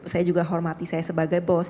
saya juga hormati saya sebagai bos